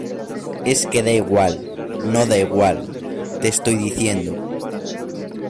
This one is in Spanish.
es que da igual. no da igual . te estoy diciendo